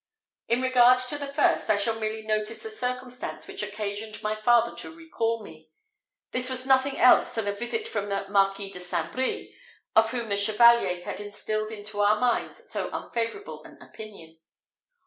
In regard to the first, I shall merely notice the circumstance which occasioned my father to recal me: this was nothing else than a visit from the Marquis de St. Brie, of whom the Chevalier had instilled into our minds so unfavourable an opinion.